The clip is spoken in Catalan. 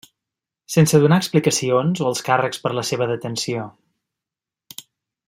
Sense donar explicacions o els càrrecs per la seva detenció.